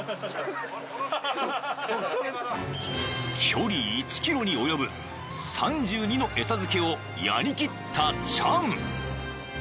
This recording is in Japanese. ［距離１ｋｍに及ぶ３２の餌づけをやりきったチャン］